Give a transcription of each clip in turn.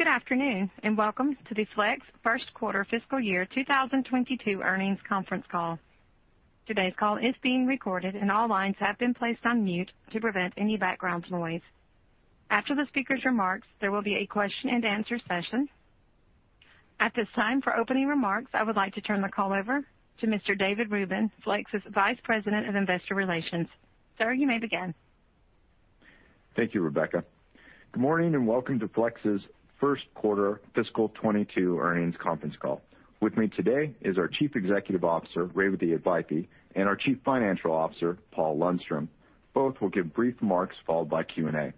Good afternoon and welcome to the Flex first quarter fiscal year 2022 earnings conference call. Today's call is being recorded and all lines have been placed on mute to prevent any background noise. After the speaker's remarks, there will be a question and answer session. At this time, for opening remarks, I would like to turn the call over to Mr. David Rubin, Flex's Vice President of Investor Relations. Sir, you may begin. Thank you, Rebecca. Good morning and welcome to Flex's first quarter fiscal 2022 earnings conference call. With me today is our Chief Executive Officer, Revathi Advaithi, and our Chief Financial Officer, Paul Lundstrom. Both will give brief remarks followed by Q&A.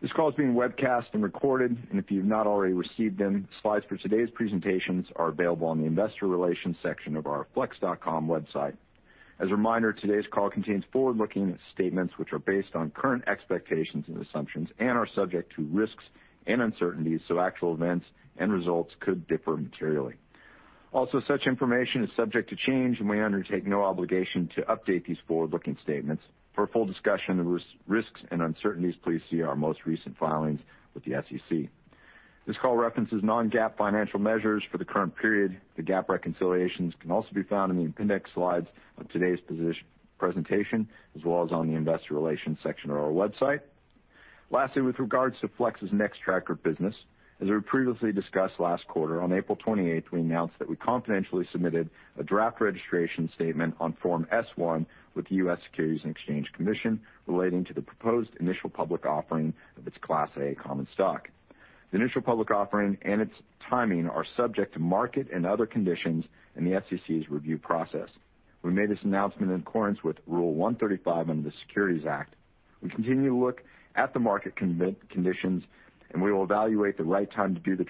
This call is being webcast and recorded, and if you have not already received them, slides for today's presentations are available on the investor relations section of our flex.com website. As a reminder, today's call contains forward-looking statements which are based on current expectations and assumptions and are subject to risks and uncertainties, so actual events and results could differ materially. Also, such information is subject to change and we undertake no obligation to update these forward-looking statements. For full discussion of risks and uncertainties, please see our most recent filings with the SEC. This call references non-GAAP financial measures for the current period. The GAAP reconciliations can also be found in the appendix slides of today's presentation, as well as on the investor relations section of our website. Lastly, with regards to Flex's Nextracker business, as we previously discussed last quarter, on April 28th, we announced that we confidentially submitted a draft registration statement on Form S-1 with the U.S. Securities and Exchange Commission relating to the proposed initial public offering of its Class A common stock. The initial public offering and its timing are subject to market and other conditions in the SEC's review process. We made this announcement in accordance with Rule 135 under the Securities Act. We continue to look at the market conditions and we will evaluate the right time to do the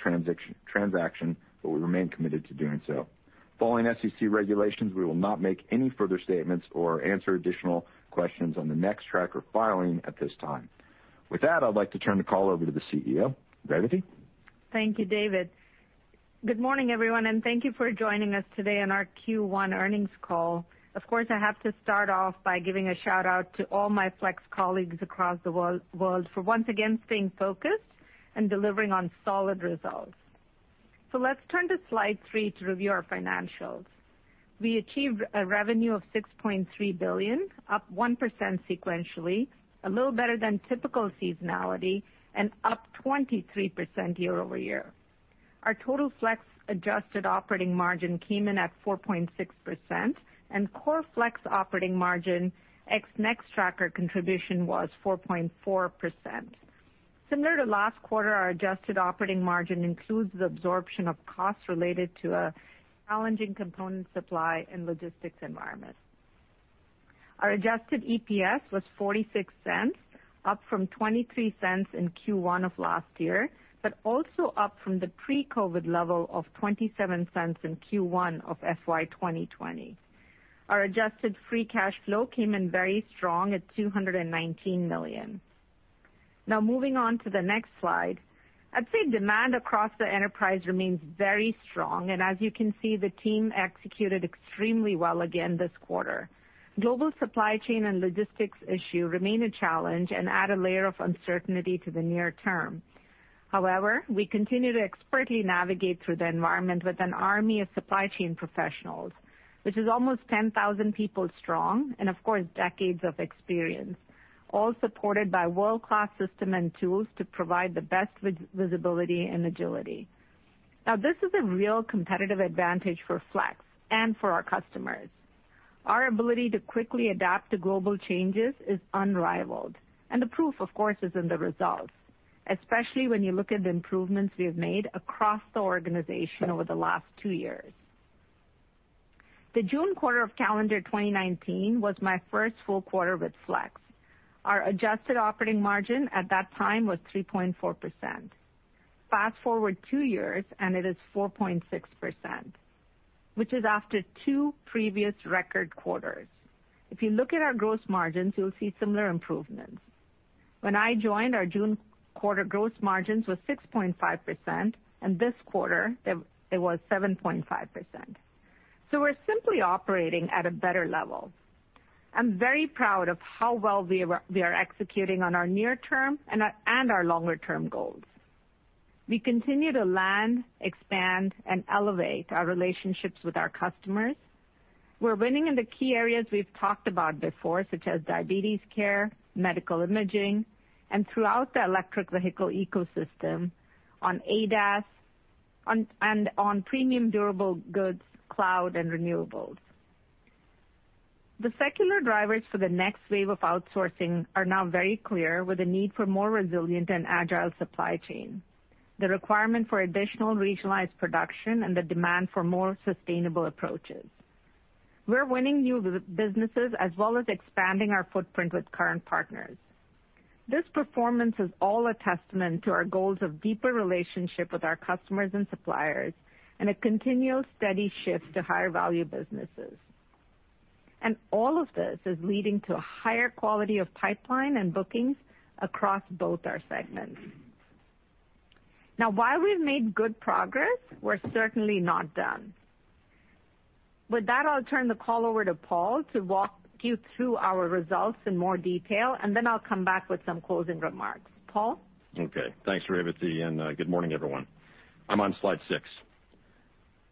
transaction, but we remain committed to doing so. Following SEC regulations, we will not make any further statements or answer additional questions on the Nextracker filing at this time. With that, I'd like to turn the call over to the CEO, Revathi. Thank you, David. Good morning, everyone, and thank you for joining us today on our Q1 earnings call. Of course, I have to start off by giving a shout-out to all my Flex colleagues across the world for once again staying focused and delivering on solid results. So let's turn to slide three to review our financials. We achieved a revenue of $6.3 billion, up 1% sequentially, a little better than typical seasonality, and up 23% year over year. Our total Flex adjusted operating margin came in at 4.6%, and Core Flex operating margin ex Nextracker contribution was 4.4%. Similar to last quarter, our adjusted operating margin includes the absorption of costs related to a challenging component supply and logistics environment. Our adjusted EPS was $0.46, up from $0.23 in Q1 of last year, but also up from the pre-COVID level of $0.27 in Q1 of FY 2020. Our adjusted free cash flow came in very strong at $219 million. Now, moving on to the next slide, I'd say demand across the enterprise remains very strong, and as you can see, the team executed extremely well again this quarter. Global supply chain and logistics issues remain a challenge and add a layer of uncertainty to the near term. However, we continue to expertly navigate through the environment with an army of supply chain professionals, which is almost 10,000 people strong and, of course, decades of experience, all supported by world-class system and tools to provide the best visibility and Agility. Now, this is a real competitive advantage for Flex and for our customers. Our ability to quickly adapt to global changes is unrivaled, and the proof, of course, is in the results, especially when you look at the improvements we have made across the organization over the last two years. The June quarter of calendar 2019 was my first full quarter with Flex. Our adjusted operating margin at that time was 3.4%. Fast forward two years and it is 4.6%, which is after two previous record quarters. If you look at our gross margins, you'll see similar improvements. When I joined, our June quarter gross margins were 6.5%, and this quarter it was 7.5%. So we're simply operating at a better level. I'm very proud of how well we are executing on our near-term and our longer-term goals. We continue to land, expand, and elevate our relationships with our customers. We're winning in the key areas we've talked about before, such as diabetes care, medical imaging, and throughout the electric vehicle ecosystem on ADAS and on premium durable goods, cloud, and renewables. The secular drivers for the next wave of outsourcing are now very clear, with a need for more resilient and agile supply chain, the requirement for additional regionalized production, and the demand for more sustainable approaches. We're winning new businesses as well as expanding our footprint with current partners. This performance is all a testament to our goals of deeper relationship with our customers and suppliers and a continual steady shift to higher value businesses. And all of this is leading to a higher quality of pipeline and bookings across both our segments. Now, while we've made good progress, we're certainly not done. With that, I'll turn the call over to Paul to walk you through our results in more detail, and then I'll come back with some closing remarks. Paul? Okay. Thanks, Revathi, and good morning, everyone. I'm on slide six.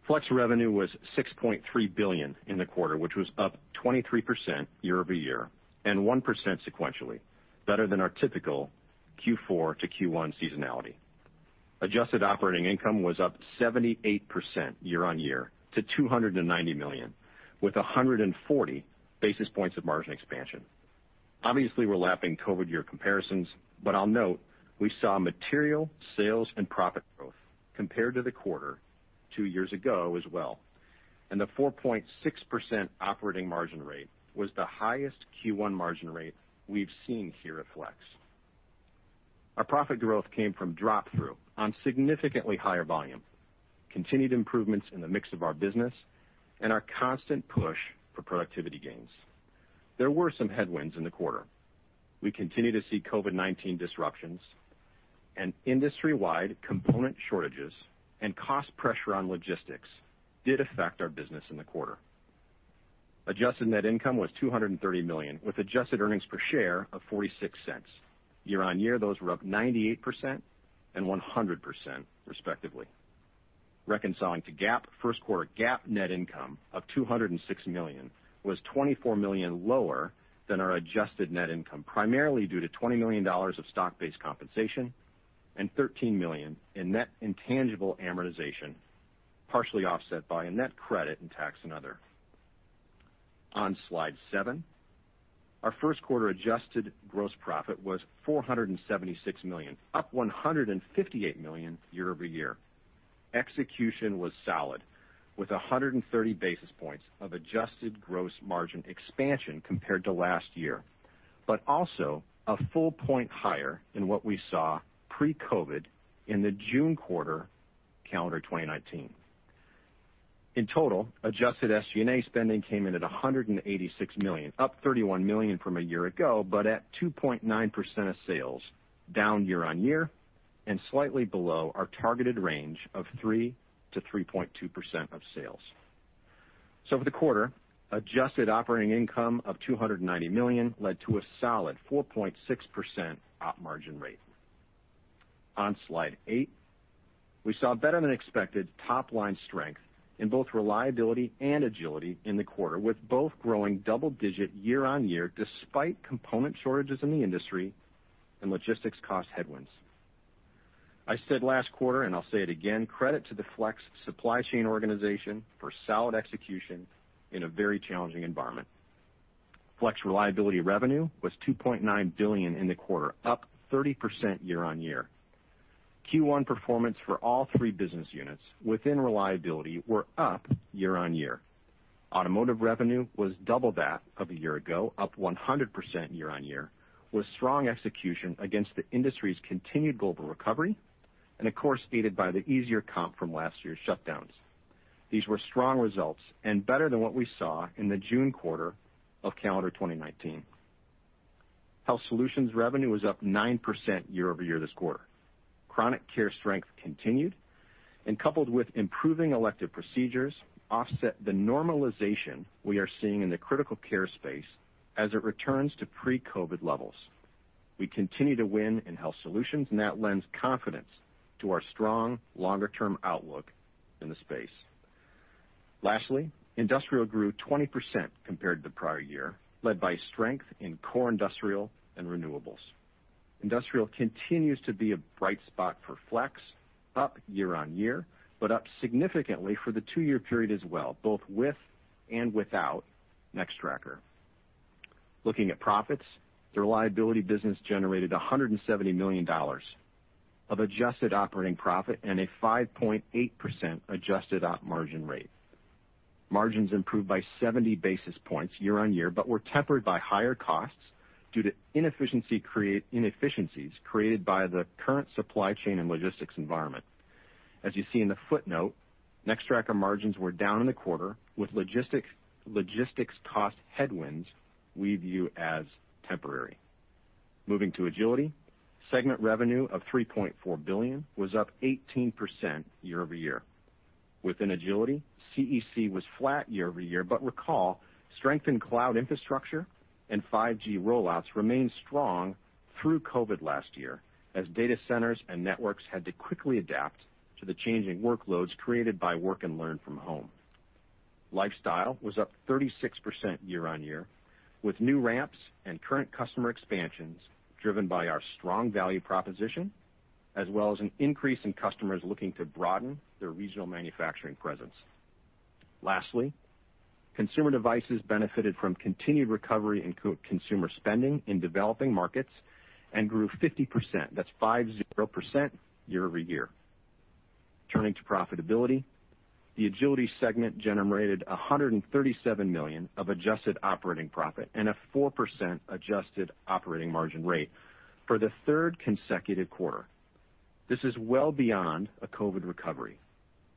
Flex revenue was $6.3 billion in the quarter, which was up 23% year over year and 1% sequentially, better than our typical Q4 to Q1 seasonality. Adjusted operating income was up 78% year on year to $290 million, with 140 basis points of margin expansion. Obviously, we're lagging COVID-year comparisons, but I'll note we saw material sales and profit growth compared to the quarter two years ago as well. And the 4.6% operating margin rate was the highest Q1 margin rate we've seen here at Flex. Our profit growth came from drop-through on significantly higher volume, continued improvements in the mix of our business, and our constant push for productivity gains. There were some headwinds in the quarter. We continue to see COVID-19 disruptions, and industry-wide component shortages and cost pressure on logistics did affect our business in the quarter. Adjusted net income was $230 million, with adjusted earnings per share of $0.46. Year on year, those were up 98% and 100%, respectively. Reconciling to GAAP, first quarter GAAP net income of $206 million was $24 million lower than our adjusted net income, primarily due to $20 million of stock-based compensation and $13 million in net intangible amortization, partially offset by a net credit and tax and other. On slide seven, our first quarter adjusted gross profit was $476 million, up $158 million year over year. Execution was solid, with 130 basis points of adjusted gross margin expansion compared to last year, but also a full point higher than what we saw pre-COVID in the June quarter calendar 2019. In total, adjusted SG&A spending came in at $186 million, up $31 million from a year ago, but at 2.9% of sales, down year on year, and slightly below our targeted range of 3%-3.2% of sales. So for the quarter, adjusted operating income of $290 million led to a solid 4.6% op margin rate. On slide eight, we saw better than expected top-line strength in both reliability and Agility in the quarter, with both growing double-digit year-on-year despite component shortages in the industry and logistics cost headwinds. I said last quarter, and I'll say it again, credit to the Flex supply chain organization for solid execution in a very challenging environment. Flex reliability revenue was $2.9 billion in the quarter, up 30% year on year. Q1 performance for all three business units within reliability were up year on year. Automotive revenue was double that of a year ago, up 100% year on year, with strong execution against the industry's continued global recovery and, of course, aided by the easier comp from last year's shutdowns. These were strong results and better than what we saw in the June quarter of calendar 2019. Health Solutions revenue was up 9% year over year this quarter. Chronic care strength continued, and, coupled with improving elective procedures, offset the normalization we are seeing in the critical care space as it returns to pre-COVID levels. We continue to win in Health Solutions, and that lends confidence to our strong longer-term outlook in the space. Lastly, Industrial grew 20% compared to the prior year, led by strength in core Industrial and renewables. Industrial continues to be a bright spot for Flex, up year on year, but up significantly for the two-year period as well, both with and without Nextracker. Looking at profits, the reliability business generated $170 million of adjusted operating profit and a 5.8% adjusted op margin rate. Margins improved by 70 basis points year on year, but were tempered by higher costs due to inefficiencies created by the current supply chain and logistics environment. As you see in the footnote, Nextracker margins were down in the quarter, with logistics cost headwinds we view as temporary. Moving to Agility, segment revenue of $3.4 billion was up 18% year over year. Within Agility, CEC was flat year over year, but recall, strength in cloud infrastructure and 5G rollouts remained strong through COVID last year as data centers and networks had to quickly adapt to the changing workloads created by work and learn from home. Lifestyle was up 36% year on year, with new ramps and current customer expansions driven by our strong value proposition, as well as an increase in customers looking to broaden their regional manufacturing presence. Lastly, Consumer Devices benefited from continued recovery in consumer spending in developing markets and grew 50%. That's 50% year over year. Turning to profitability, the Agility segment generated $137 million of adjusted operating profit and a 4% adjusted operating margin rate for the third consecutive quarter. This is well beyond a COVID recovery.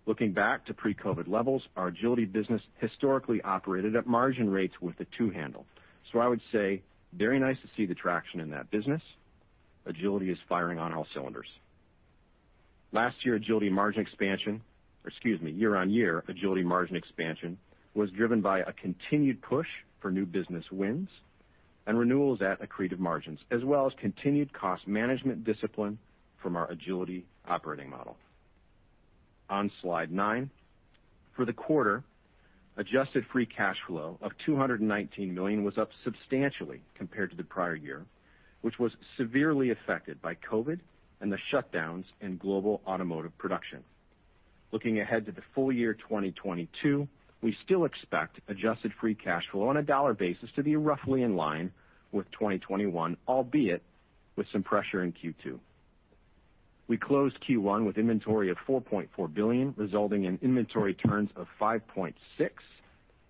Looking back to pre-COVID levels, our Agility business historically operated at margin rates with a two-handle. So I would say very nice to see the traction in that business. Agility is firing on all cylinders. Last year, Agility margin expansion, excuse me, year on year, Agility margin expansion was driven by a continued push for new business wins and renewals at accretive margins, as well as continued cost management discipline from our Agility operating model. On slide nine, for the quarter, adjusted free cash flow of $219 million was up substantially compared to the prior year, which was severely affected by COVID and the shutdowns in global automotive production. Looking ahead to the full year 2022, we still expect adjusted free cash flow on a dollar basis to be roughly in line with 2021, albeit with some pressure in Q2. We closed Q1 with inventory of $4.4 billion, resulting in inventory turns of 5.6,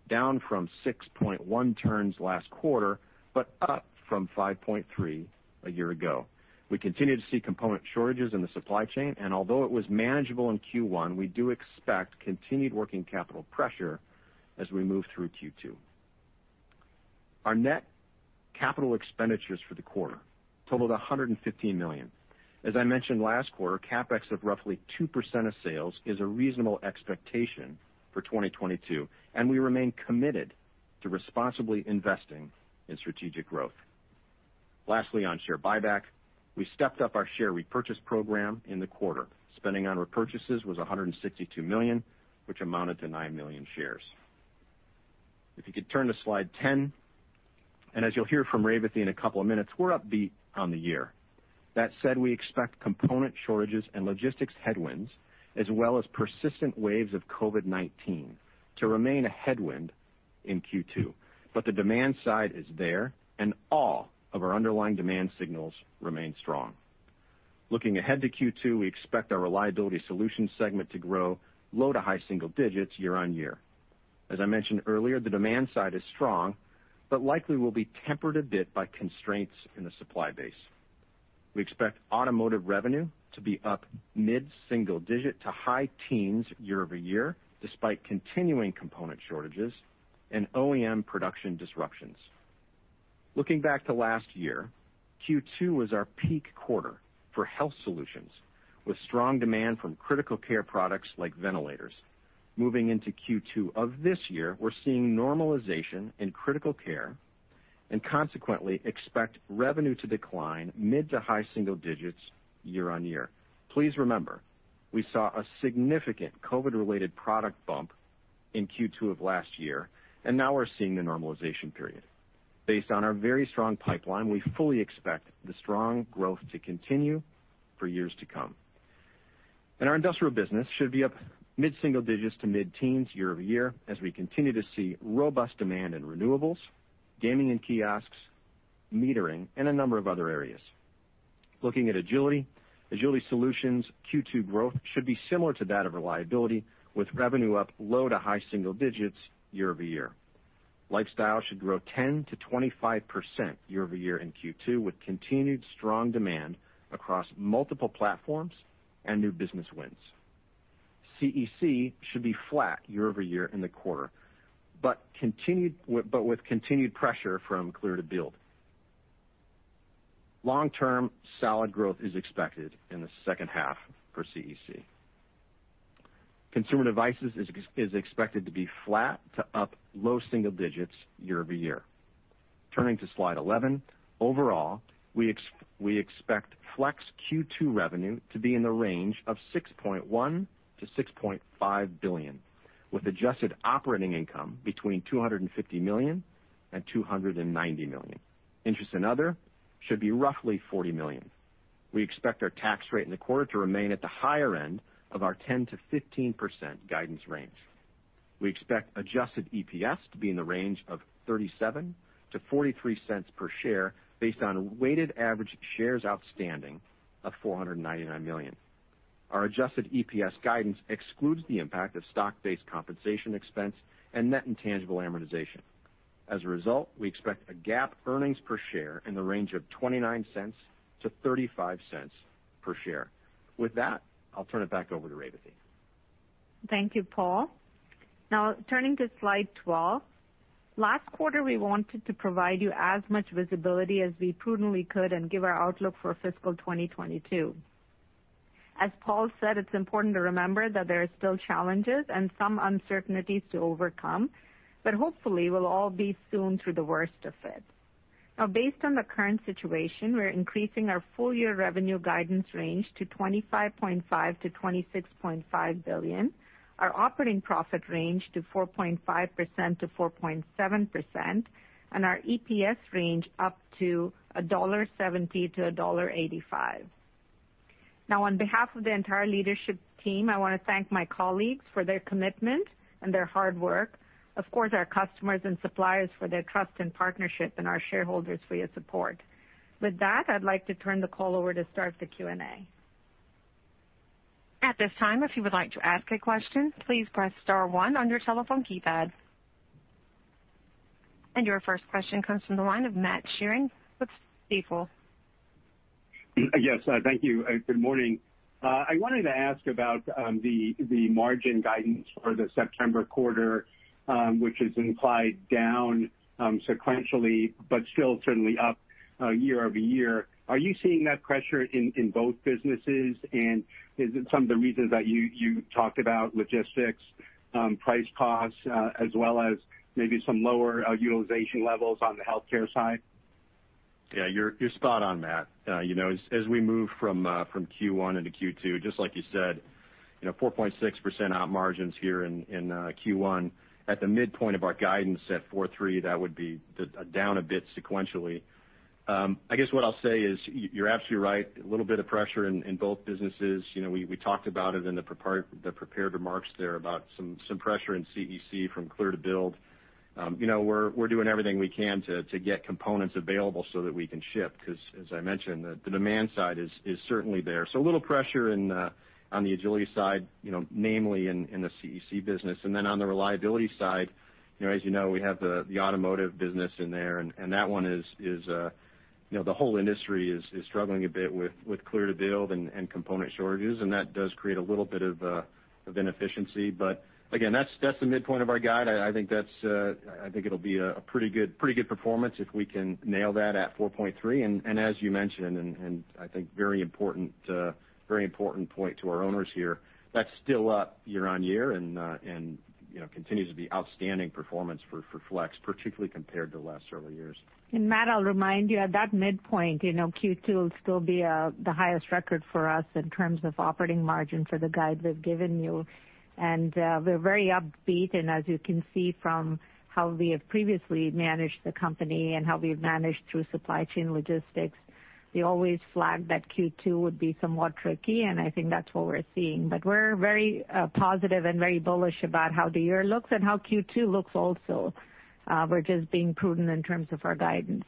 down from 6.1 turns last quarter, but up from 5.3 a year ago. We continue to see component shortages in the supply chain, and although it was manageable in Q1, we do expect continued working capital pressure as we move through Q2. Our net capital expenditures for the quarter totaled $115 million. As I mentioned last quarter, CapEx of roughly 2% of sales is a reasonable expectation for 2022, and we remain committed to responsibly investing in strategic growth. Lastly, on share buyback, we stepped up our share repurchase program in the quarter. Spending on repurchases was $162 million, which amounted to 9 million shares. If you could turn to slide ten, and as you'll hear from Revathi in a couple of minutes, we're upbeat on the year. That said, we expect component shortages and logistics headwinds, as well as persistent waves of COVID-19, to remain a headwind in Q2, but the demand side is there, and all of our underlying demand signals remain strong. Looking ahead to Q2, we expect our Reliability Solutions segment to grow low to high single digits year on year. As I mentioned earlier, the demand side is strong, but likely will be tempered a bit by constraints in the supply base. We expect Automotive revenue to be up mid-single digit to high teens year over year, despite continuing component shortages and OEM production disruptions. Looking back to last year, Q2 was our peak quarter for Health Solutions, with strong demand from critical care products like ventilators. Moving into Q2 of this year, we're seeing normalization in critical care, and consequently, expect revenue to decline mid to high single digits year on year. Please remember, we saw a significant COVID-related product bump in Q2 of last year, and now we're seeing the normalization period. Based on our very strong pipeline, we fully expect the strong growth to continue for years to come. And our industrial business should be up mid-single digits to mid-teens year over year as we continue to see robust demand in renewables, gaming and kiosks, metering, and a number of other areas. Looking at Agility, Agility Solutions' Q2 growth should be similar to that of Reliability, with revenue up low to high single digits year over year. Lifestyle should grow 10%-25% year over year in Q2 with continued strong demand across multiple platforms and new business wins. CEC should be flat year over year in the quarter, but with continued pressure from Clear to Build. Long-term solid growth is expected in the second half for CEC. Consumer Devices is expected to be flat to up low single digits year over year. Turning to slide 11, overall, we expect Flex Q2 revenue to be in the range of $6.1-$6.5 billion, with adjusted operating income between $250 million and $290 million. Interest in other should be roughly $40 million. We expect our tax rate in the quarter to remain at the higher end of our 10%-15% guidance range. We expect adjusted EPS to be in the range of $0.37-$0.43 per share based on weighted average shares outstanding of 499 million. Our adjusted EPS guidance excludes the impact of stock-based compensation expense and net intangible amortization. As a result, we expect a GAAP earnings per share in the range of $0.29-$0.35 per share. With that, I'll turn it back over to Revathi. Thank you, Paul. Now, turning to slide 12, last quarter, we wanted to provide you as much visibility as we prudently could and give our outlook for fiscal 2022. As Paul said, it's important to remember that there are still challenges and some uncertainties to overcome, but hopefully, we'll all be soon through the worst of it. Now, based on the current situation, we're increasing our full year revenue guidance range to $25.5-$26.5 billion, our operating profit range to 4.5%-4.7%, and our EPS range up to $1.70-$1.85. Now, on behalf of the entire leadership team, I want to thank my colleagues for their commitment and their hard work. Of course, our customers and suppliers for their trust and partnership, and our shareholders for your support. With that, I'd like to turn the call over to start the Q&A. At this time, if you would like to ask a question, please press star one on your telephone keypad. And your first question comes from the line of Matthew Sheerin with Stifel. Yes, thank you. Good morning. I wanted to ask about the margin guidance for the September quarter, which has implied down sequentially, but still certainly up year over year. Are you seeing that pressure in both businesses, and is it some of the reasons that you talked about, logistics, price costs, as well as maybe some lower utilization levels on the healthcare side? Yeah, you're spot on, Matt. As we move from Q1 into Q2, just like you said, 4.6% op margins here in Q1. At the midpoint of our guidance at 4.3%, that would be down a bit sequentially. I guess what I'll say is you're absolutely right. A little bit of pressure in both businesses. We talked about it in the prepared remarks there about some pressure in CEC from Clear to Build. We're doing everything we can to get components available so that we can ship because, as I mentioned, the demand side is certainly there, so a little pressure on the Agility side, namely in the CEC business, and then on the reliability side, as you know, we have the automotive business in there, and that one is the whole industry is struggling a bit with Clear to Build and component shortages, and that does create a little bit of inefficiency, but again, that's the midpoint of our guide. I think it'll be a pretty good performance if we can nail that at 4.3. As you mentioned, and I think very important point to our owners here, that's still up year on year and continues to be outstanding performance for Flex, particularly compared to last several years. Matt, I'll remind you at that midpoint, Q2 will still be the highest record for us in terms of operating margin for the guide we've given you. We're very upbeat, and as you can see from how we have previously managed the company and how we've managed through supply chain logistics, we always flagged that Q2 would be somewhat tricky, and I think that's what we're seeing. We're very positive and very bullish about how the year looks and how Q2 looks also. We're just being prudent in terms of our guidance.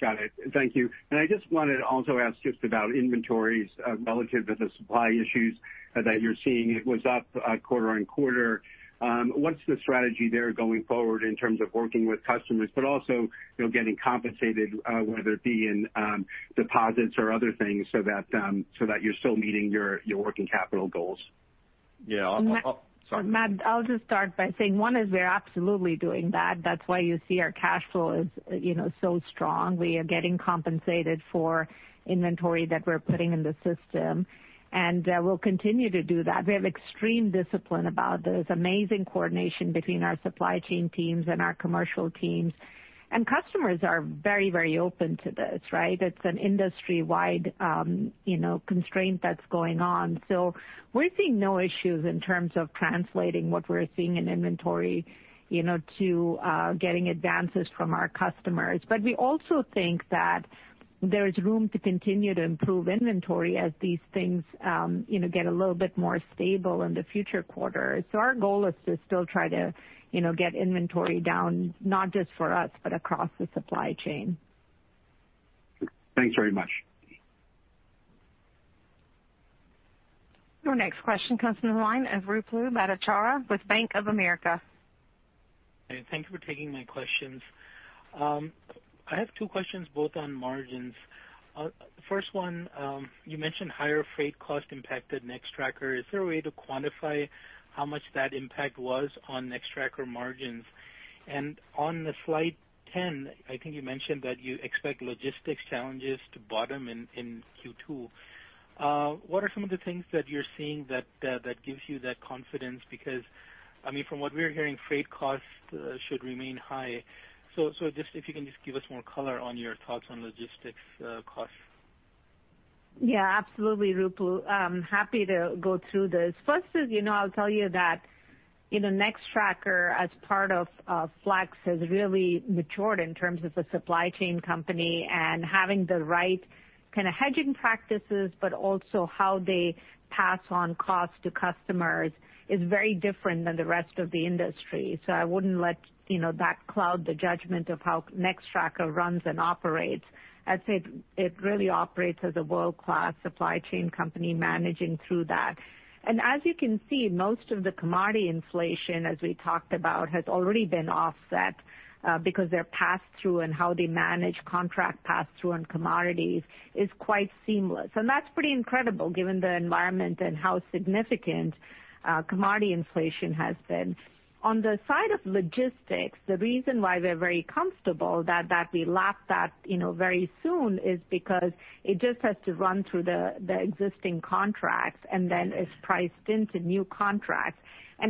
Got it. Thank you. I just wanted to also ask just about inventories relative to the supply issues that you're seeing. It was up quarter on quarter. What's the strategy there going forward in terms of working with customers, but also getting compensated, whether it be in deposits or other things, so that you're still meeting your working capital goals? Yeah. Matt, I'll just start by saying one is we're absolutely doing that. That's why you see our cash flow is so strong. We are getting compensated for inventory that we're putting in the system, and we'll continue to do that. We have extreme discipline about this. Amazing coordination between our supply chain teams and our commercial teams. And customers are very, very open to this, right? It's an industry-wide constraint that's going on. So we're seeing no issues in terms of translating what we're seeing in inventory to getting advances from our customers. But we also think that there is room to continue to improve inventory as these things get a little bit more stable in the future quarter. So our goal is to still try to get inventory down, not just for us, but across the supply chain. Thanks very much. Our next question comes from the line of Ruplu Bhattacharya with Bank of America. Thank you for taking my questions. I have two questions both on margins. First one, you mentioned higher freight cost impacted Nextracker. Is there a way to quantify how much that impact was on Nextracker margins? And on the Slide 10, I think you mentioned that you expect logistics challenges to bottom in Q2. What are some of the things that you're seeing that gives you that confidence? Because, I mean, from what we're hearing, freight costs should remain high. So just if you can give us more color on your thoughts on logistics costs. Yeah, absolutely, Ruplu. I'm happy to go through this. First is I'll tell you that Nextracker, as part of Flex, has really matured in terms of a supply chain company, and having the right kind of hedging practices, but also how they pass on costs to customers, is very different than the rest of the industry. So I wouldn't let that cloud the judgment of how Nextracker runs and operates. I'd say it really operates as a world-class supply chain company managing through that. As you can see, most of the commodity inflation, as we talked about, has already been offset because their pass-through and how they manage contract pass-through and commodities is quite seamless. That's pretty incredible given the environment and how significant commodity inflation has been. On the side of logistics, the reason why we're very comfortable that we lapped that very soon is because it just has to run through the existing contracts and then is priced into new contracts.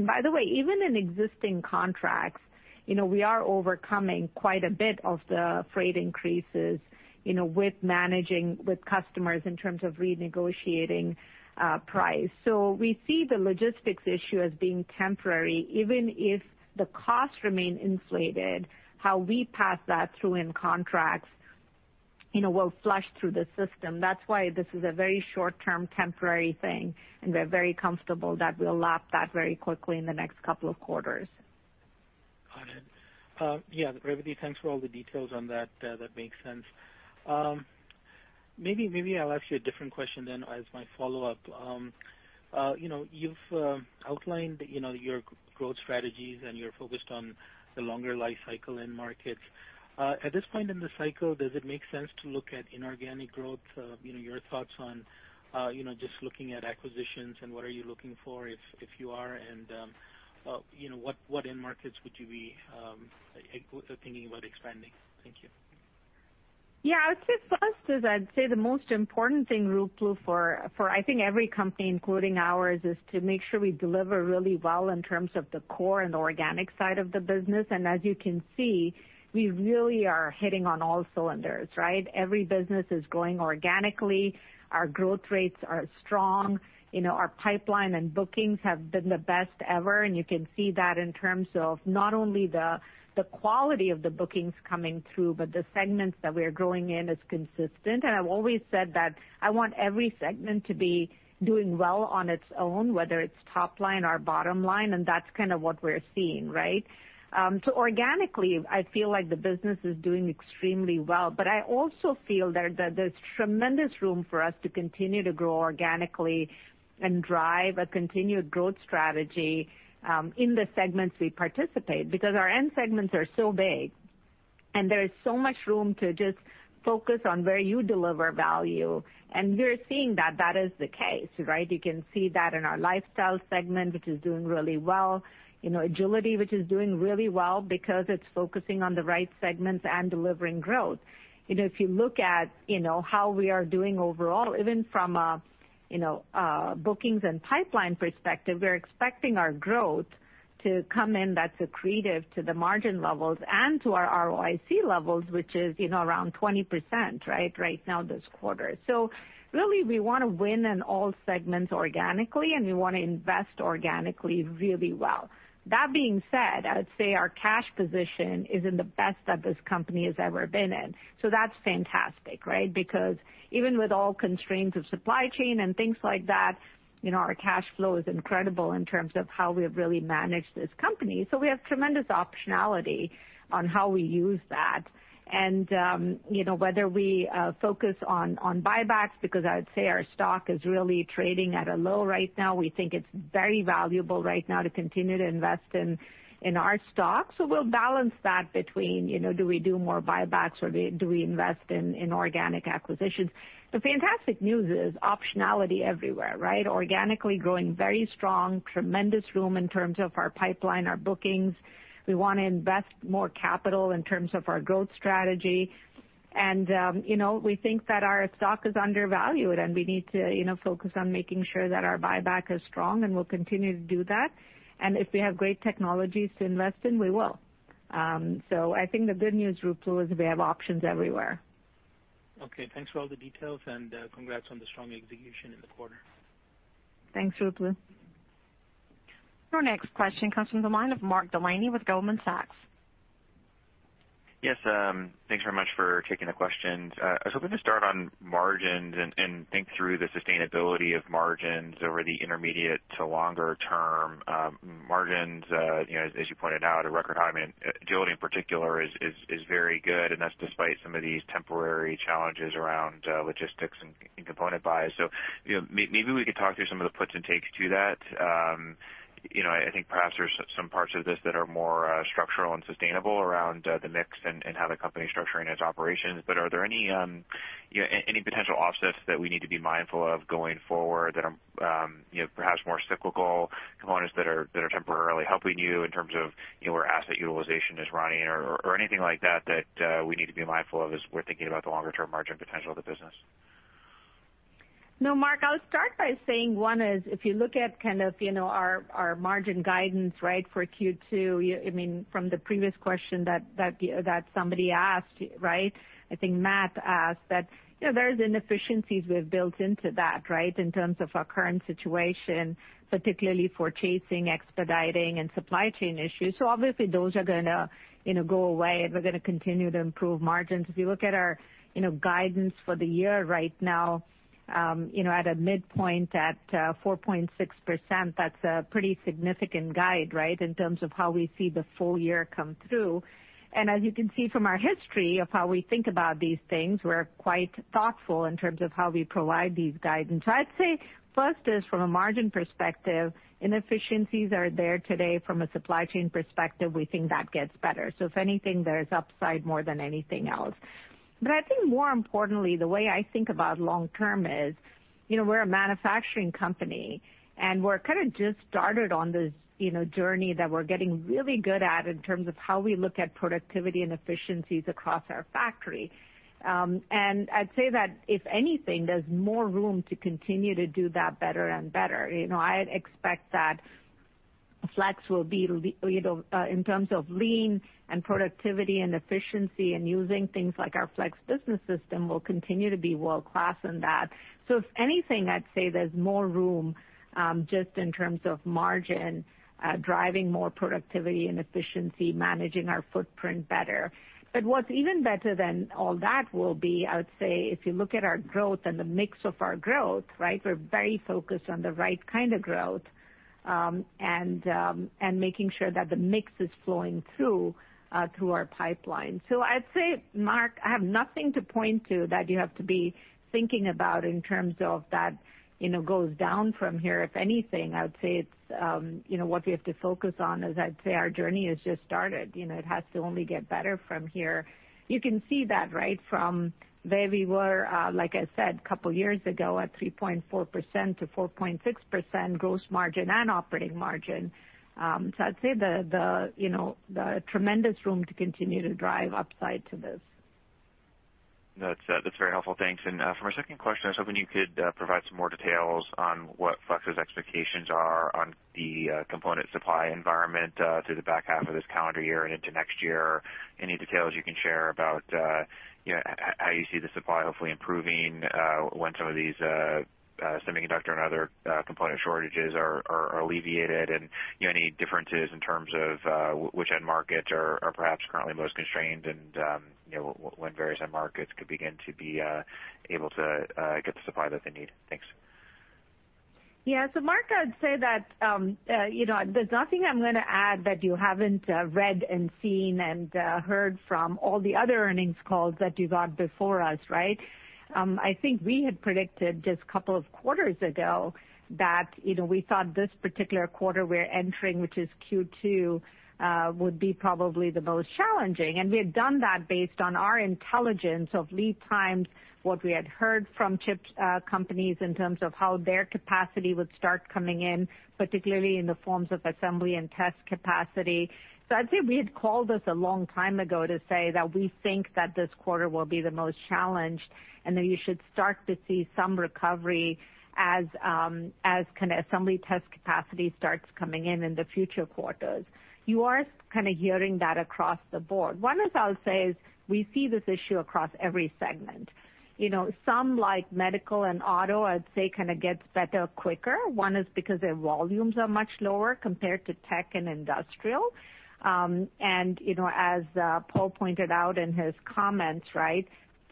By the way, even in existing contracts, we are overcoming quite a bit of the freight increases with managing with customers in terms of renegotiating price. We see the logistics issue as being temporary. Even if the costs remain inflated, how we pass that through in contracts will flush through the system. That's why this is a very short-term temporary thing, and we're very comfortable that we'll lap that very quickly in the next couple of quarters. Got it. Yeah, Revathi, thanks for all the details on that. That makes sense. Maybe I'll ask you a different question then as my follow-up. You've outlined your growth strategies and you're focused on the longer life cycle end markets. At this point in the cycle, does it make sense to look at inorganic growth? Your thoughts on just looking at acquisitions and what are you looking for if you are, and what end markets would you be thinking about expanding? Thank you. Yeah, I would say first is I'd say the most important thing, Ruplu, for I think every company, including ours, is to make sure we deliver really well in terms of the core and organic side of the business. As you can see, we really are hitting on all cylinders, right? Every business is growing organically. Our growth rates are strong. Our pipeline and bookings have been the best ever, and you can see that in terms of not only the quality of the bookings coming through, but the segments that we are growing in is consistent. I've always said that I want every segment to be doing well on its own, whether it's top line or bottom line, and that's kind of what we're seeing, right? Organically, I feel like the business is doing extremely well. I also feel that there's tremendous room for us to continue to grow organically and drive a continued growth strategy in the segments we participate because our end segments are so big, and there is so much room to just focus on where you deliver value. And we're seeing that that is the case, right? You can see that in our lifestyle segment, which is doing really well. Agility, which is doing really well because it's focusing on the right segments and delivering growth. If you look at how we are doing overall, even from a bookings and pipeline perspective, we're expecting our growth to come in that's accretive to the margin levels and to our ROIC levels, which is around 20%, right, right now this quarter. So really, we want to win in all segments organically, and we want to invest organically really well. That being said, I'd say our cash position is in the best that this company has ever been in. So that's fantastic, right? Because even with all constraints of supply chain and things like that, our cash flow is incredible in terms of how we have really managed this company. So we have tremendous optionality on how we use that. And whether we focus on buybacks, because I would say our stock is really trading at a low right now, we think it's very valuable right now to continue to invest in our stock. So we'll balance that between do we do more buybacks or do we invest in organic acquisitions. The fantastic news is optionality everywhere, right? Organically growing very strong, tremendous room in terms of our pipeline, our bookings. We want to invest more capital in terms of our growth strategy. And we think that our stock is undervalued, and we need to focus on making sure that our buyback is strong, and we'll continue to do that. And if we have great technologies to invest in, we will. So I think the good news, Ruplu, is we have options everywhere. Okay. Thanks for all the details, and congrats on the strong execution in the quarter. Thanks, Rup lu. Our next question comes from the line of Mark Delaney with Goldman Sachs. Yes, thanks very much for taking the question. I was hoping to start on margins and think through the sustainability of margins over the intermediate to longer-term margins. As you pointed out, a record high Agility in particular is very good, and that's despite some of these temporary challenges around logistics and component buys. So maybe we could talk through some of the puts and takes to that. I think perhaps there's some parts of this that are more structural and sustainable around the mix and how the company is structuring its operations. But are there any potential offsets that we need to be mindful of going forward that are perhaps more cyclical components that are temporarily helping you in terms of where asset utilization is running or anything like that that we need to be mindful of as we're thinking about the longer-term margin potential of the business? No, Mark, I'll start by saying one is if you look at kind of our margin guidance, right, for Q2, I mean, from the previous question that somebody asked, right? I think Matt asked that there are inefficiencies we have built into that, right, in terms of our current situation, particularly for chasing, expediting, and supply chain issues. So obviously, those are going to go away, and we're going to continue to improve margins. If you look at our guidance for the year right now, at a midpoint at 4.6%, that's a pretty significant guide, right, in terms of how we see the full year come through. And as you can see from our history of how we think about these things, we're quite thoughtful in terms of how we provide these guidance. So I'd say first is from a margin perspective, inefficiencies are there today. From a supply chain perspective, we think that gets better. So if anything, there is upside more than anything else. But I think more importantly, the way I think about long-term is we're a manufacturing company, and we're kind of just started on this journey that we're getting really good at in terms of how we look at productivity and efficiencies across our factory. I'd say that if anything, there's more room to continue to do that better and better. I expect that Flex will be in terms of lean and productivity and efficiency and using things like our Flex Business System will continue to be world-class in that. So if anything, I'd say there's more room just in terms of margin driving more productivity and efficiency, managing our footprint better. But what's even better than all that will be, I would say if you look at our growth and the mix of our growth, right, we're very focused on the right kind of growth and making sure that the mix is flowing through our pipeline. So I'd say, Mark, I have nothing to point to that you have to be thinking about in terms of that goes down from here. If anything, I would say what we have to focus on is, I'd say, our journey has just started. It has to only get better from here. You can see that, right, from where we were, like I said, a couple of years ago at 3.4%-4.6% gross margin and operating margin. So I'd say the tremendous room to continue to drive upside to this. No, that's very helpful. Thanks. And for my second question, I was hoping you could provide some more details on what Flex's expectations are on the component supply environment through the back half of this calendar year and into next year. Any details you can share about how you see the supply hopefully improving when some of these semiconductor and other component shortages are alleviated and any differences in terms of which end markets are perhaps currently most constrained and when various end markets could begin to be able to get the supply that they need? Thanks. Yeah. So, Mark, I'd say that there's nothing I'm going to add that you haven't read and seen and heard from all the other earnings calls that you got before us, right? I think we had predicted just a couple of quarters ago that we thought this particular quarter we're entering, which is Q2, would be probably the most challenging. We had done that based on our intelligence of lead times, what we had heard from chip companies in terms of how their capacity would start coming in, particularly in the forms of assembly and test capacity. So I'd say we had called this a long time ago to say that we think that this quarter will be the most challenged, and then you should start to see some recovery as kind of assembly test capacity starts coming in in the future quarters. You are kind of hearing that across the board. One is I'll say is we see this issue across every segment. Some like medical and auto, I'd say kind of gets better quicker. One is because their volumes are much lower compared to tech and industrial. As Paul pointed out in his comments, right,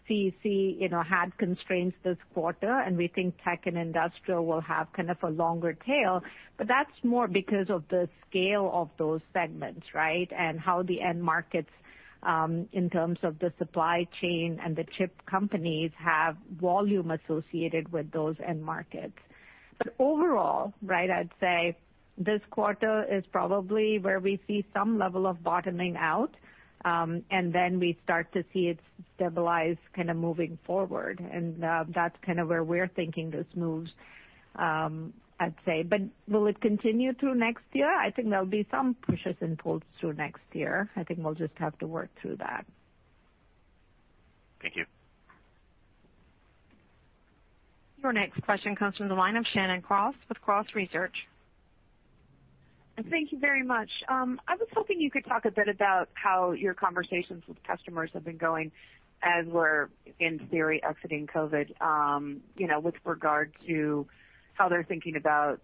CEC had constraints this quarter, and we think tech and industrial will have kind of a longer tail. But that's more because of the scale of those segments, right, and how the end markets in terms of the supply chain and the chip companies have volume associated with those end markets. But overall, right, I'd say this quarter is probably where we see some level of bottoming out, and then we start to see it stabilize kind of moving forward. And that's kind of where we're thinking this moves, I'd say. But will it continue through next year? I think there'll be some pushes and pulls through next year. I think we'll just have to work through that. Thank you. Your next question comes from the line of Shannon Cross with Cross Research. Thank you very much. I was hoping you could talk a bit about how your conversations with customers have been going as we're, in theory, exiting COVID with regard to how they're thinking about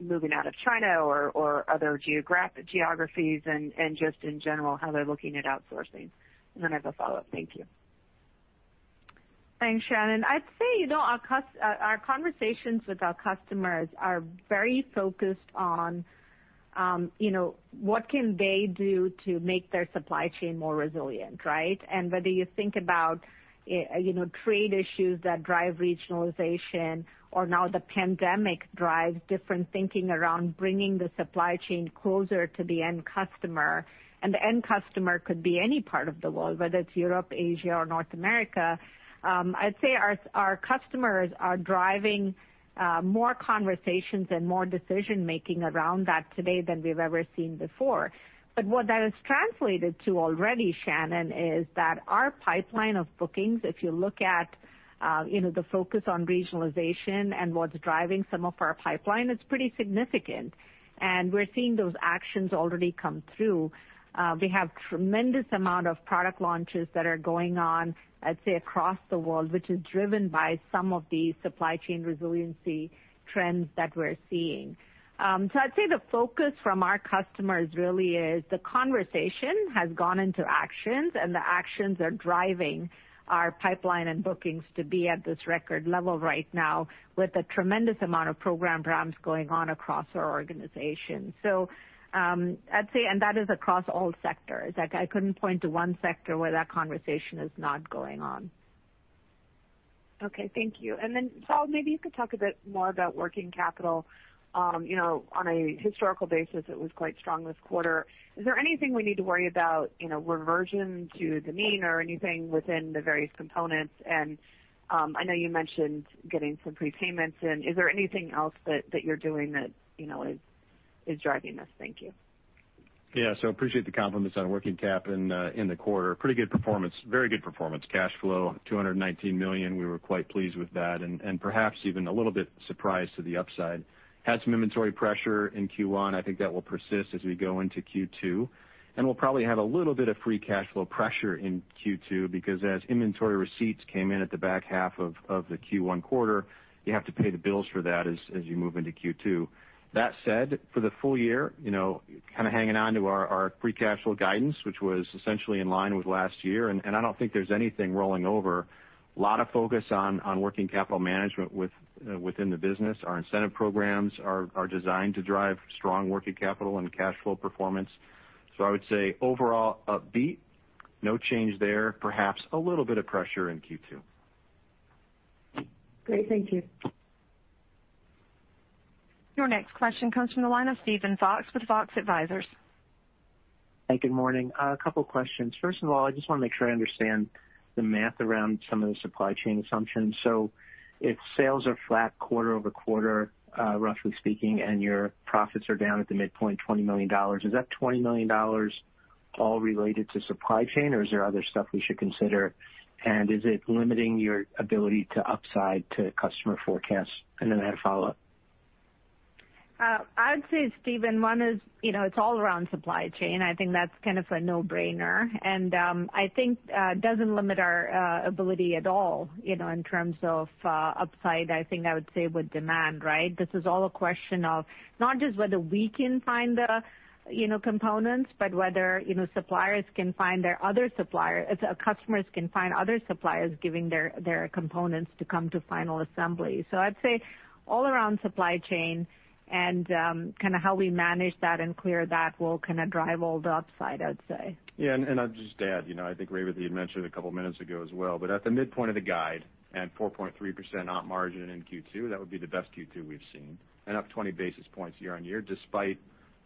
moving out of China or other geographies and just in general how they're looking at outsourcing. And then I have a follow-up. Thank you. Thanks, Shannon. I'd say our conversations with our customers are very focused on what can they do to make their supply chain more resilient, right? And whether you think about trade issues that drive regionalization or now the pandemic drives different thinking around bringing the supply chain closer to the end customer. And the end customer could be any part of the world, whether it's Europe, Asia, or North America. I'd say our customers are driving more conversations and more decision-making around that today than we've ever seen before. But what that has translated to already, Shannon, is that our pipeline of bookings, if you look at the focus on regionalization and what's driving some of our pipeline, it's pretty significant. And we're seeing those actions already come through. We have a tremendous amount of product launches that are going on, I'd say, across the world, which is driven by some of these supply chain resiliency trends that we're seeing. So I'd say the focus from our customers really is the conversation has gone into actions, and the actions are driving our pipeline and bookings to be at this record level right now with a tremendous amount of program ramps going on across our organization. So I'd say, and that is across all sectors. I couldn't point to one sector where that conversation is not going on. Okay. Thank you. And then Paul, maybe you could talk a bit more about working capital. On a historical basis, it was quite strong this quarter. Is there anything we need to worry about, reversion to the mean or anything within the various components? And I know you mentioned getting some prepayments. And is there anything else that you're doing that is driving this? Thank you. Yeah. So I appreciate the compliments on working cap in the quarter. Pretty good performance. Very good performance. Cash flow, $219 million. We were quite pleased with that and perhaps even a little bit surprised to the upside. Had some inventory pressure in Q1. I think that will persist as we go into Q2. And we'll probably have a little bit of free cash flow pressure in Q2 because as inventory receipts came in at the back half of the Q1 quarter, you have to pay the bills for that as you move into Q2. That said, for the full year, kind of hanging on to our free cash flow guidance, which was essentially in line with last year. And I don't think there's anything rolling over. A lot of focus on working capital management within the business. Our incentive programs are designed to drive strong working capital and cash flow performance. So I would say overall upbeat, no change there. Perhaps a little bit of pressure in Q2. Great. Thank you. Your next question comes from the line of Steven Fox with Fox Advisors. Hi, good morning. A couple of questions. First of all, I just want to make sure I understand the math around some of the supply chain assumptions. So if sales are flat quarter over quarter, roughly speaking, and your profits are down at the midpoint, $20 million, is that $20 million all related to supply chain, or is there other stuff we should consider? And is it limiting your ability to upside to customer forecasts? And then I had a follow-up. I would say, Steven, one is it's all around supply chain. I think that's kind of a no-brainer. And I think it doesn't limit our ability at all in terms of upside. I think I would say with demand, right? This is all a question of not just whether we can find the components, but whether suppliers can find their other suppliers or customers can find other suppliers giving their components to come to final assembly. So I'd say all around supply chain and kind of how we manage that and Clear to Build will kind of drive all the upside, I'd say. Yeah. And I'll just add, I think Revathi had mentioned a couple of minutes ago as well, but at the midpoint of the guide and 4.3% up margin in Q2, that would be the best Q2 we've seen, and up 20 basis points year on year despite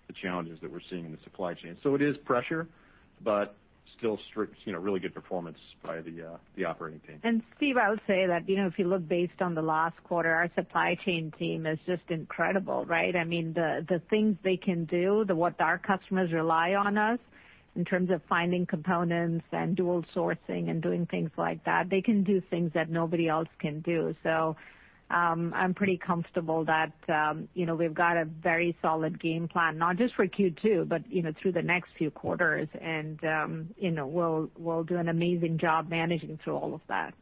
the challenges that we're seeing in the supply chain. So it is pressure, but still really good performance by the operating team. And Steve, I'll say that if you look based on the last quarter, our supply chain team is just incredible, right? I mean, the things they can do, what our customers rely on us in terms of finding components and dual sourcing and doing things like that, they can do things that nobody else can do. So I'm pretty comfortable that we've got a very solid game plan, not just for Q2, but through the next few quarters. And we'll do an amazing job managing through all of that.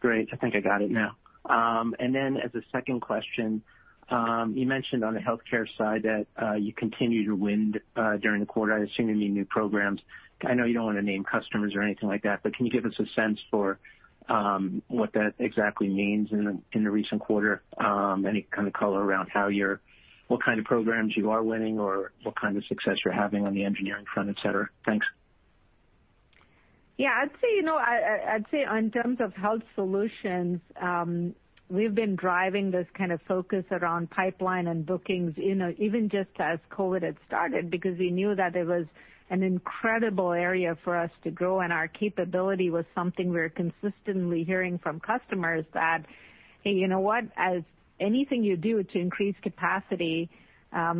Great. I think I got it now. And then as a second question, you mentioned on the healthcare side that you continued to win during the quarter. I assume you mean new programs. I know you don't want to name customers or anything like that, but can you give us a sense for what that exactly means in the recent quarter? Any kind of color around what kind of programs you are winning or what kind of success you're having on the engineering front, etc.? Thanks. Yeah. I'd say in terms of Health Solutions, we've been driving this kind of focus around pipeline and bookings even just as COVID had started because we knew that it was an incredible area for us to grow, and our capability was something we're consistently hearing from customers that, "Hey, you know what? As anything you do to increase capacity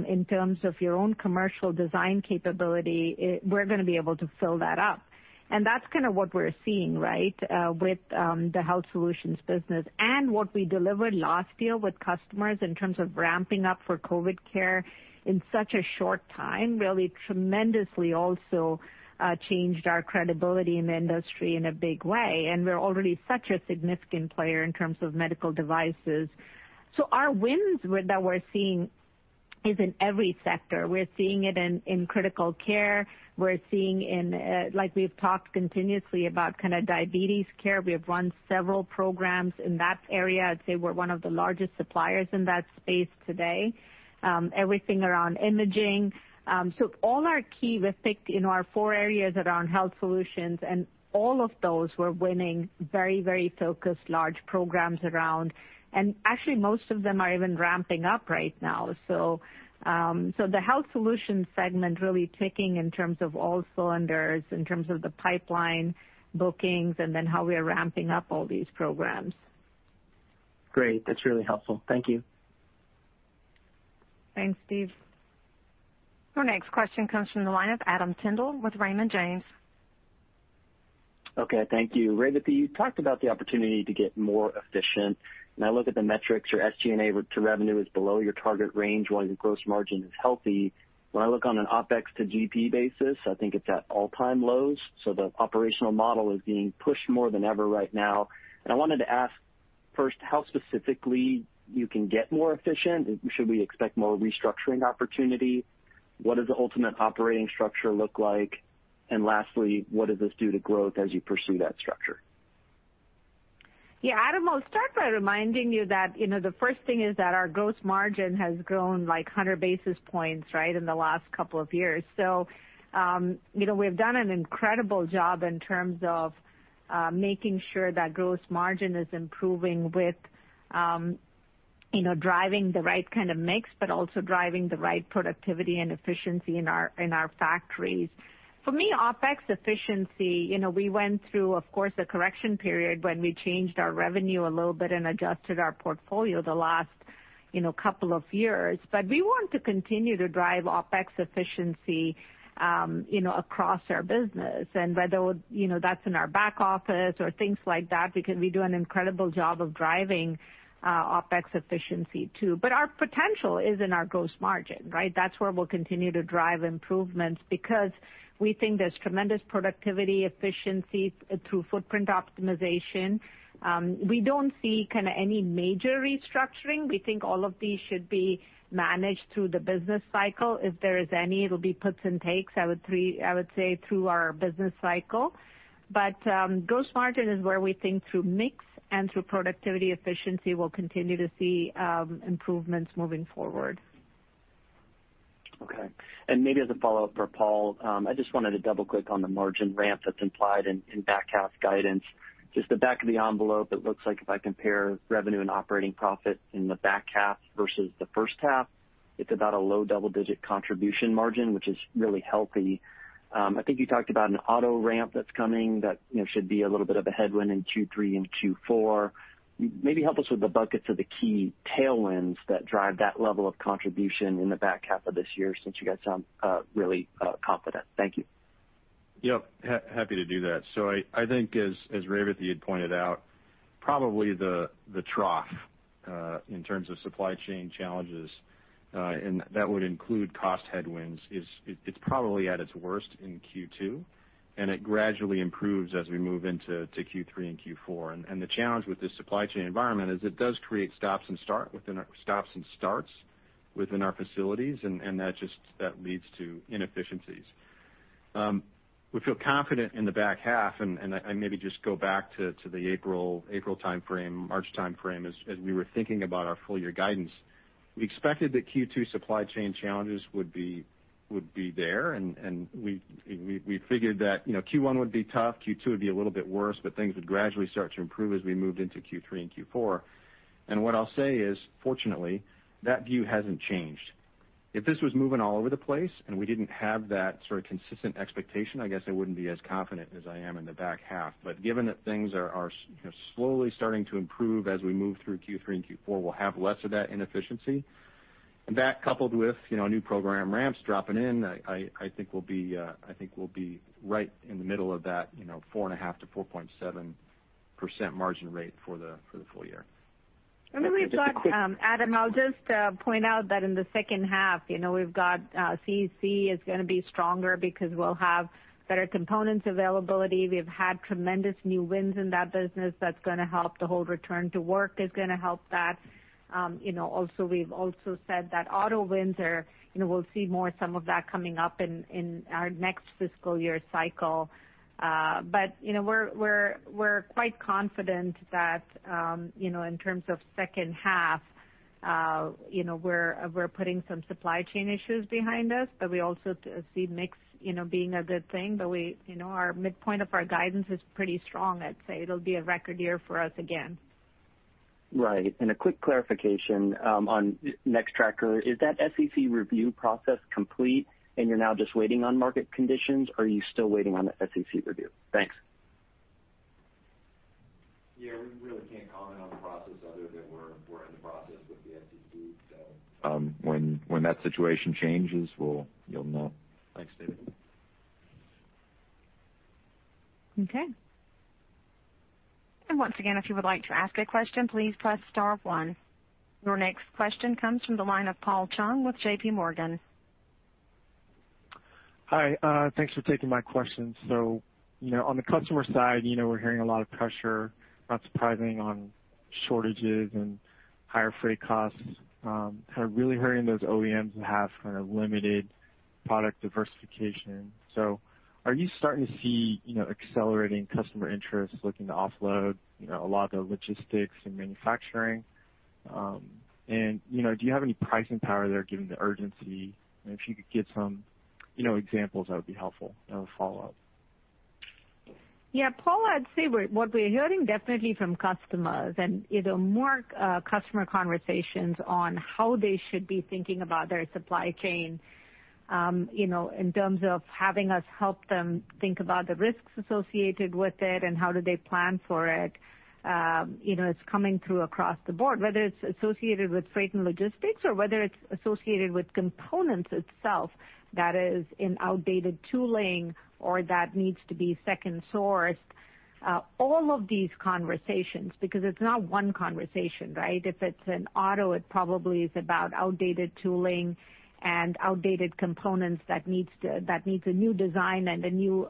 in terms of your own commercial design capability, we're going to be able to fill that up," and that's kind of what we're seeing, right, with the Health Solutions business, and what we delivered last year with customers in terms of ramping up for COVID care in such a short time really tremendously also changed our credibility in the industry in a big way. We're already such a significant player in terms of medical devices. So our wins that we're seeing is in every sector. We're seeing it in critical care. We're seeing in, like we've talked continuously about kind of diabetes care. We have run several programs in that area. I'd say we're one of the largest suppliers in that space today. Everything around imaging. So all our key wins in our four areas around Health Solutions, and all of those we're winning very, very focused large programs around. And actually, most of them are even ramping up right now. So the Health Solutions segment really firing on all cylinders, in terms of the pipeline bookings, and then how we're ramping up all these programs. Great. That's really helpful. Thank you. Thanks, Steve. Your next question comes from the line of Adam Tindle with Raymond James. Okay. Thank you. Revathi, you talked about the opportunity to get more efficient. And I look at the metrics. Your SG&A to revenue is below your target range while your gross margin is healthy. When I look on an OpEx to GP basis, I think it's at all-time lows. So the operational model is being pushed more than ever right now. And I wanted to ask first how specifically you can get more efficient. Should we expect more restructuring opportunity? What does the ultimate operating structure look like? And lastly, what does this do to growth as you pursue that structure? Yeah. Adam will start by reminding you that the first thing is that our gross margin has grown like 100 basis points, right, in the last couple of years. So we've done an incredible job in terms of making sure that gross margin is improving with driving the right kind of mix, but also driving the right productivity and efficiency in our factories. For me, OpEx efficiency, we went through, of course, a correction period when we changed our revenue a little bit and adjusted our portfolio the last couple of years. But we want to continue to drive OpEx efficiency across our business. And whether that's in our back office or things like that, because we do an incredible job of driving OpEx efficiency too. But our potential is in our gross margin, right? That's where we'll continue to drive improvements because we think there's tremendous productivity, efficiency through footprint optimization. We don't see kind of any major restructuring. We think all of these should be managed through the business cycle. If there is any, it'll be puts and takes, I would say, through our business cycle. But gross margin is where we think through mix and through productivity efficiency, we'll continue to see improvements moving forward. Okay. And maybe as a follow-up for Paul, I just wanted to double-click on the margin ramp that's implied in back half guidance. Just the back of the envelope, it looks like if I compare revenue and operating profit in the back half versus the first half, it's about a low double-digit contribution margin, which is really healthy. I think you talked about an auto ramp that's coming that should be a little bit of a headwind in Q3 and Q4. Maybe help us with the buckets of the key tailwinds that drive that level of contribution in the back half of this year since you guys sound really confident. Thank you. Yep. Happy to do that. So I think, as Revathi had pointed out, probably the trough in terms of supply chain challenges, and that would include cost headwinds, it's probably at its worst in Q2. And it gradually improves as we move into Q3 and Q4. And the challenge with this supply chain environment is it does create stops and starts within our facilities, and that leads to inefficiencies. We feel confident in the back half, and I maybe just go back to the April timeframe, March timeframe as we were thinking about our full year guidance. We expected that Q2 supply chain challenges would be there, and we figured that Q1 would be tough, Q2 would be a little bit worse, but things would gradually start to improve as we moved into Q3 and Q4. And what I'll say is, fortunately, that view hasn't changed. If this was moving all over the place and we didn't have that sort of consistent expectation, I guess I wouldn't be as confident as I am in the back half. But given that things are slowly starting to improve as we move through Q3 and Q4, we'll have less of that inefficiency. And that, coupled with new program ramps dropping in, I think will be right in the middle of that 4.5%-4.7% margin rate for the full year. And then we've got, Adam, I'll just point out that in the second half, we've got CEC is going to be stronger because we'll have better components availability. We've had tremendous new wins in that business. That's going to help. The whole return to work is going to help that. Also, we've said that auto wins, we'll see more of some of that coming up in our next fiscal year cycle. We're quite confident that in terms of second half, we're putting some supply chain issues behind us, but we also see mix being a good thing. Our midpoint of our guidance is pretty strong. I'd say it'll be a record year for us again. Right. And a quick clarification on Nextracker. Is that SEC review process complete and you're now just waiting on market conditions, or are you still waiting on the SEC review? Thanks. Yeah. We really can't comment on the process other than we're in the process with the SEC. So, when that situation changes, you'll know. Thanks, David. Okay. And once again, if you would like to ask a question, please press star one. Your next question comes from the line of Paul Chung with J.P. Morgan. Hi. Thanks for taking my question. So on the customer side, we're hearing a lot of pressure, not surprising, on shortages and higher freight costs, kind of really hurting those OEMs that have kind of limited product diversification. So are you starting to see accelerating customer interest looking to offload a lot of the logistics and manufacturing? And do you have any pricing power there given the urgency? And if you could give some examples, that would be helpful as a follow-up. Yeah. Paul, I'd say what we're hearing definitely from customers and more customer conversations on how they should be thinking about their supply chain in terms of having us help them think about the risks associated with it and how do they plan for it. It's coming through across the board, whether it's associated with freight and logistics or whether it's associated with components itself that is in outdated tooling or that needs to be second sourced. All of these conversations, because it's not one conversation, right? If it's an auto, it probably is about outdated tooling and outdated components that needs a new design and a new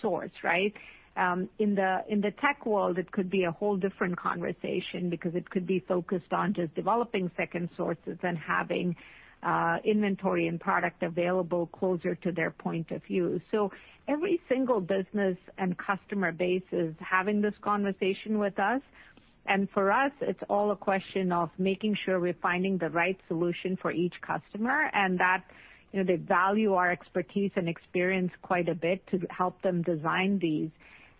source, right? In the tech world, it could be a whole different conversation because it could be focused on just developing second sources and having inventory and product available closer to their point of view. So every single business and customer base is having this conversation with us. And for us, it's all a question of making sure we're finding the right solution for each customer and that they value our expertise and experience quite a bit to help them design these.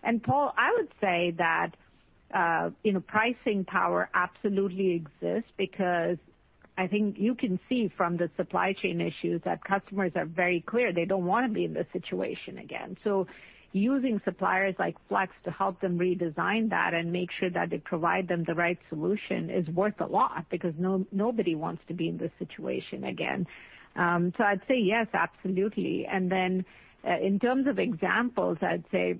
And Paul, I would say that pricing power absolutely exists because I think you can see from the supply chain issues that customers are very clear they don't want to be in this situation again. So using suppliers like Flex to help them redesign that and make sure that they provide them the right solution is worth a lot because nobody wants to be in this situation again. So I'd say yes, absolutely. And then in terms of examples, I'd say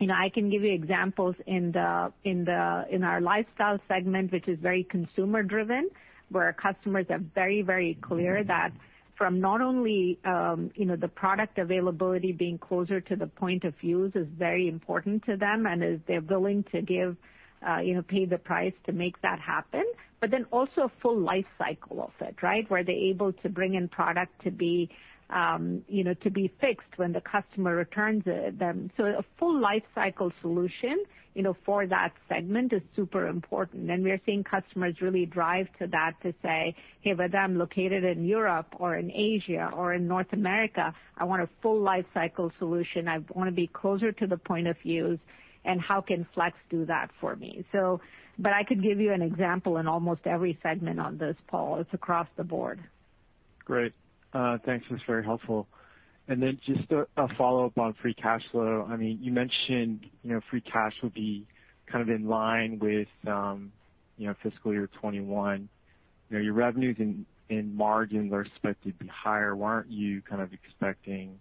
I can give you examples in our Lifestyle segment, which is very consumer-driven, where customers are very, very clear that from not only the product availability being closer to the point of use is very important to them and they're willing to pay the price to make that happen, but then also a full life cycle of it, right? Where they're able to bring in product to be fixed when the customer returns it. So a full life cycle solution for that segment is super important. And we're seeing customers really drive to that to say, "Hey, whether I'm located in Europe or in Asia or in North America, I want a full life cycle solution. I want to be closer to the point of use. And how can Flex do that for me?" But I could give you an example in almost every segment on this, Paul. It's across the board. Great. Thanks. That's very helpful. And then just a follow-up on free cash flow. I mean, you mentioned free cash would be kind of in line with fiscal year 2021. Your revenues and margins are expected to be higher. Weren't you kind of expecting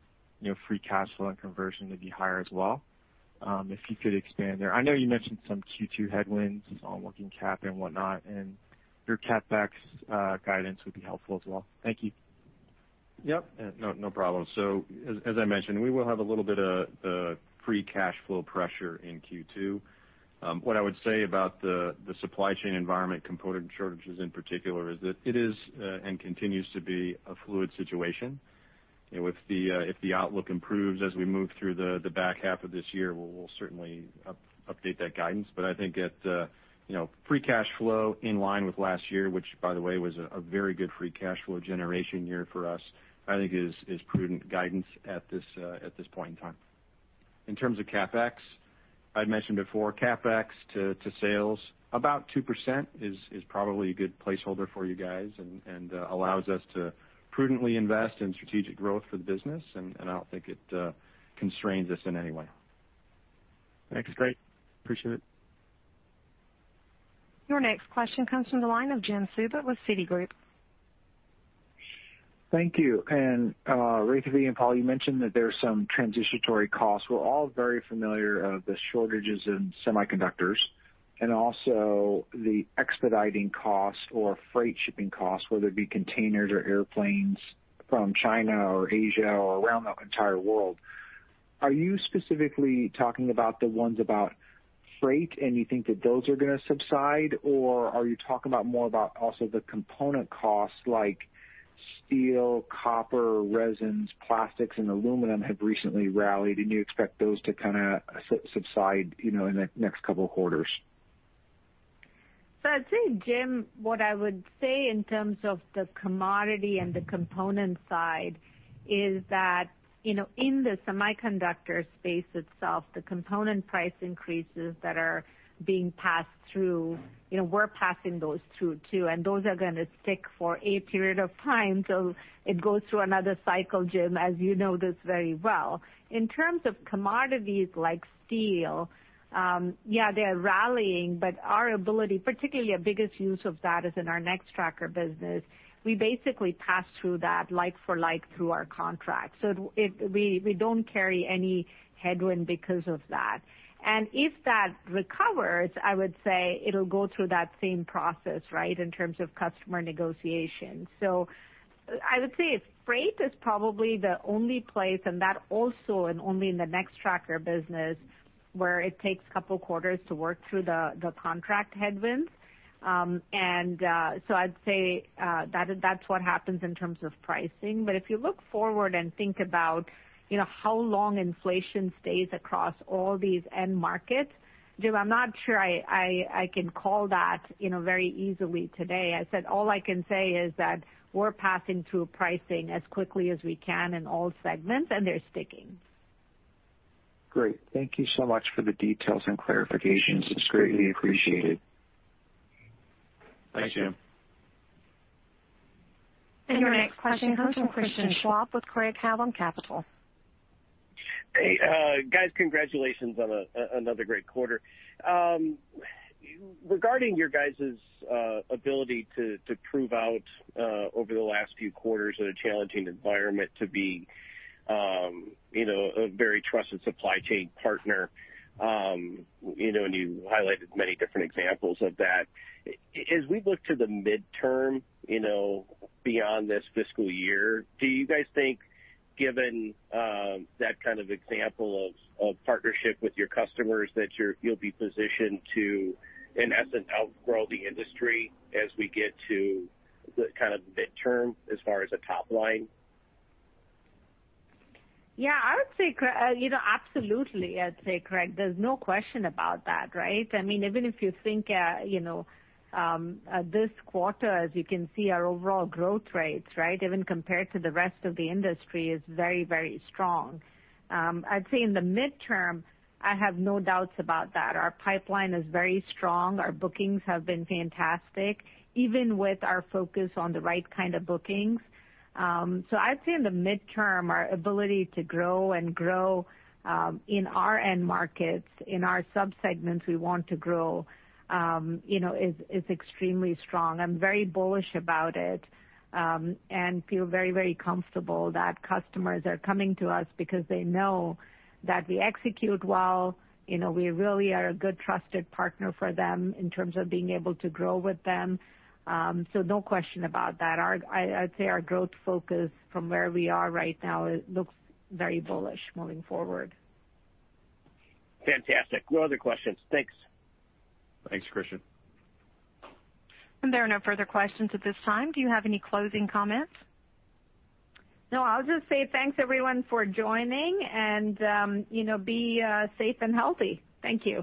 free cash flow and conversion to be higher as well? If you could expand there. I know you mentioned some Q2 headwinds on working cap and whatnot. And your CapEx guidance would be helpful as well. Thank you. Yep. No problem. So as I mentioned, we will have a little bit of free cash flow pressure in Q2. What I would say about the supply chain environment, component shortages in particular, is that it is and continues to be a fluid situation. If the outlook improves as we move through the back half of this year, we'll certainly update that guidance. But I think free cash flow in line with last year, which, by the way, was a very good free cash flow generation year for us, I think is prudent guidance at this point in time. In terms of CapEx, I'd mentioned before, CapEx to sales, about 2% is probably a good placeholder for you guys and allows us to prudently invest in strategic growth for the business. And I don't think it constrains us in any way. Thanks. Great. Appreciate it. Your next question comes from the line of Jim Suva with Citigroup. Thank you. And Revathi and Paul, you mentioned that there's some transitory costs. We're all very familiar with the shortages in semiconductors and also the expediting cost or freight shipping costs, whether it be containers or airplanes from China or Asia or around the entire world. Are you specifically talking about the ones about freight, and you think that those are going to subside, or are you talking about more about also the component costs like steel, copper, resins, plastics, and aluminum have recently rallied, and you expect those to kind of subside in the next couple of quarters? So I'd say, Jim, what I would say in terms of the commodity and the component side is that in the semiconductor space itself, the component price increases that are being passed through, we're passing those through too. And those are going to stick for a period of time. So it goes through another cycle, Jim, as you know this very well. In terms of commodities like steel, yeah, they're rallying, but our ability, particularly our biggest use of that is in our Nextracker business. We basically pass through that like for like through our contract. So we don't carry any headwind because of that. And if that recovers, I would say it'll go through that same process, right, in terms of customer negotiation. So I would say freight is probably the only place, and that also and only in the Nextracker business where it takes a couple of quarters to work through the contract headwinds. And so I'd say that's what happens in terms of pricing. But if you look forward and think about how long inflation stays across all these end markets, Jim, I'm not sure I can call that very easily today. I said all I can say is that we're passing through pricing as quickly as we can in all segments, and they're sticking. Great. Thank you so much for the details and clarifications. It's greatly appreciated. Thanks, Jim. And your next question comes from Christian Schwab with Craig-Hallum Capital Group. Hey, guys, congratulations on another great quarter. Regarding your guys' ability to prove out over the last few quarters in a challenging environment to be a very trusted supply chain partner, and you highlighted many different examples of that, as we look to the midterm beyond this fiscal year, do you guys think, given that kind of example of partnership with your customers, that you'll be positioned to, in essence, outgrow the industry as we get to the kind of midterm as far as a top line? Yeah. Absolutely. I'd say, Craig, there's no question about that, right? I mean, even if you think this quarter, as you can see, our overall growth rates, right, even compared to the rest of the industry, is very, very strong. I'd say in the midterm, I have no doubts about that. Our pipeline is very strong. Our bookings have been fantastic, even with our focus on the right kind of bookings. So I'd say in the midterm, our ability to grow and grow in our end markets, in our subsegments we want to grow, is extremely strong. I'm very bullish about it and feel very, very comfortable that customers are coming to us because they know that we execute well. We really are a good, trusted partner for them in terms of being able to grow with them. So no question about that. I'd say our growth focus from where we are right now looks very bullish moving forward. Fantastic. No other questions. Thanks. Thanks, Christian. And there are no further questions at this time. Do you have any closing comments? No, I'll just say thanks, everyone, for joining, and be safe and healthy. Thank you.